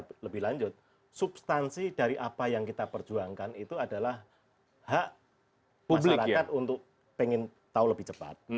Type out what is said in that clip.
untuk lebih lanjut substansi dari apa yang kita perjuangkan itu adalah hak masyarakat untuk pengen tahu lebih cepat